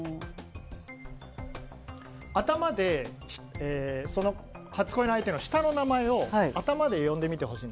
頭で、初恋の相手の下の名前を頭で呼んでみてください。